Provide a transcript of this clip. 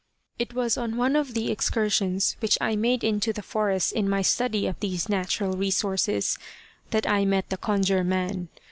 It was on one of the excursions which I made into the forest in my study of these natural resources, that I met the Conjure man.